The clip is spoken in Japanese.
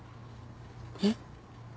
えっ？